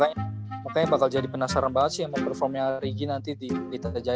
iya makanya bakal jadi penasaran banget sih yang mau performnya ari gi nanti di lita jaya ya